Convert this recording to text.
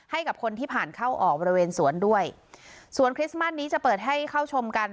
ให้กับคนที่ผ่านเข้าออกบริเวณสวนด้วยสวนคริสต์มัสนี้จะเปิดให้เข้าชมกัน